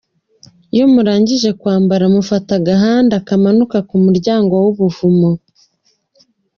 Iyo murangije kwambara mufata agahanda kamanuka ku muryango w'ubuvumo.